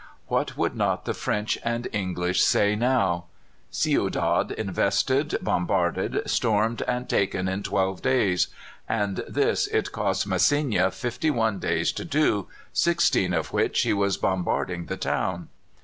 What would not the French and English say now? Ciudad invested, bombarded, stormed, and taken in twelve days! and this it cost Masséna fifty one days to do, sixteen of which he was bombarding the town.